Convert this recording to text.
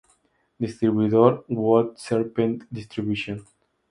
Distribuidor: World Serpent Distribution.